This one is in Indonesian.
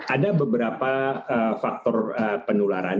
ada beberapa faktor penularan